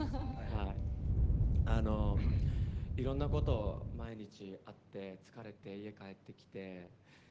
いろんなこと毎日あって疲れて、家帰ってきて。